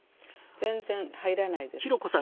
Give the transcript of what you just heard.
全然入らないです。